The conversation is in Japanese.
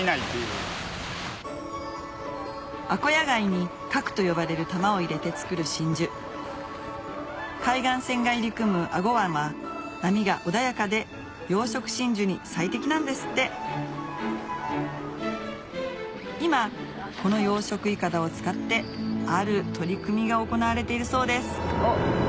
アコヤ貝に核と呼ばれる玉を入れて作る真珠海岸線が入り組む英虞湾は波が穏やかで養殖真珠に最適なんですって今この養殖筏を使ってある取り組みが行われているそうです